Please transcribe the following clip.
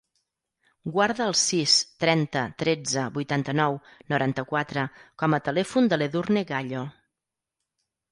Guarda el sis, trenta, tretze, vuitanta-nou, noranta-quatre com a telèfon de l'Edurne Gallo.